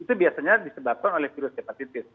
itu biasanya disebabkan oleh virus hepatitis